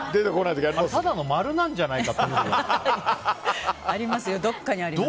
ただの丸なんじゃないかと思う。